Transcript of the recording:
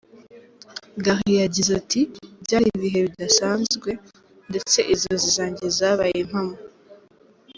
Gary yagize ati “ Byari ibihe bidasanzwe , ndetse inzozi zanjye zabaye impamo.